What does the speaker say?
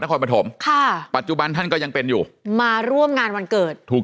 คอปฐมค่ะปัจจุบันท่านก็ยังเป็นอยู่มาร่วมงานวันเกิดถูก